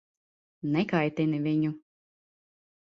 Nekaitini viņu.